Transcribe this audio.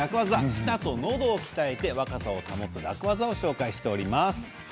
舌とのどを鍛えて若さを保つ楽ワザをご紹介しています。